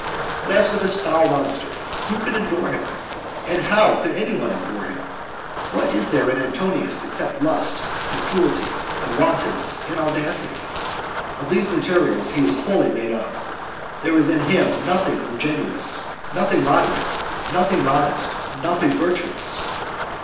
But as for this most foul monster, who could endure him, or how could any one endure him? What is there in Antonius except lust, and cruelty, and wantonness, and audacity? Of these materials he is wholly made up. There is in him nothing ingenuous, nothing moderate, nothing modest, nothing virtuous.